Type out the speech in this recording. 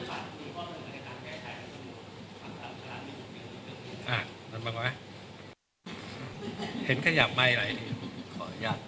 อ้าวนอนบังวันไหมเส็นขยามไมค์อะไร